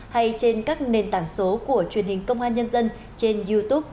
hay trên các nền tảng số của truyền hình công an nhân dân trên youtube